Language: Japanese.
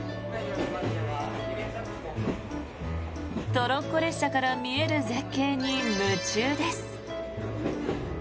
トロッコ列車から見える絶景に夢中です。